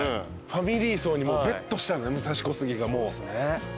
ファミリー層にベットした武蔵小杉がもう。